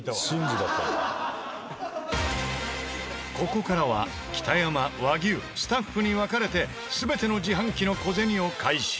ここからは北山和牛スタッフに分かれて全ての自販機の小銭を回収。